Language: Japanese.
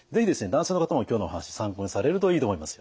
男性の方も今日のお話参考にされるといいと思いますよ。